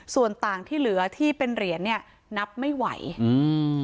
ส่วนต่างที่เหลือที่เป็นเหรียญเนี้ยนับไม่ไหวอืม